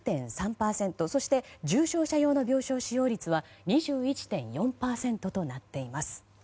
そして、重症者用の病床使用率は２１．４％となっています。